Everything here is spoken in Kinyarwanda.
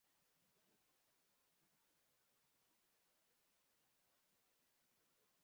Umugabo wambaye ikoti ryirabura ryirabura numugore wambaye ikote ritukura